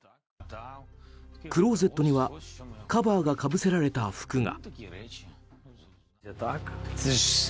クローゼットにはカバーがかぶせられた服が。